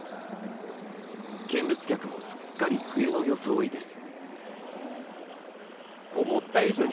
見物客もすっかり冬の装いです。